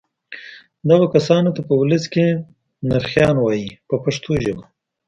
دغو کسانو ته په ولس کې نرخیان وایي په پښتو ژبه.